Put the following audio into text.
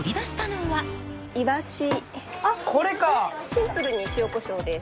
シンプルに塩コショウで。